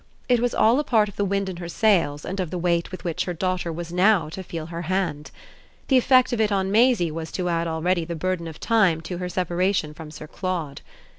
It was all a part of the wind in her sails and of the weight with which her daughter was now to feel her hand. The effect of it on Maisie was to add already the burden of time to her separation from Sir Claude.